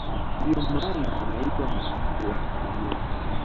Ndio maana unaitwa mapafu ya dunia